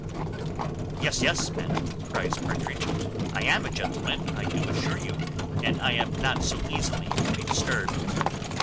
"Yes, yes, madam," cries Partridge, "I am a gentleman, I do assure you, and I am not so easily to be disturbed.